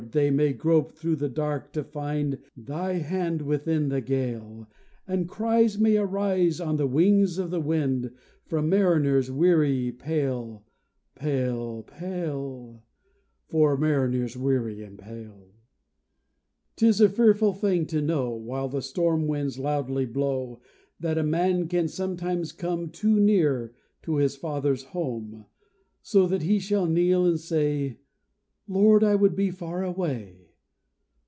they may grope through the dark to find Thy hand within the gale; And cries may rise on the wings of the wind From mariners weary and pale, pale, pale From mariners weary and pale! 'Tis a fearful thing to know, While the storm winds loudly blow, That a man can sometimes come Too near to his father's home; So that he shall kneel and say, "Lord, I would be far away!"